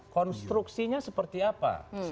konstruksinya seperti apa